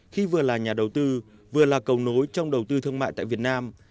khi vừa là nhà đầu tư vừa là cầu nối trong đầu tư thương mại tại việt nam